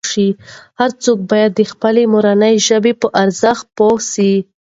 هر څوک باید د خپلې مورنۍ ژبې په ارزښت پوه سي.